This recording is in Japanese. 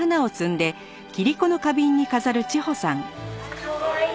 かわいい。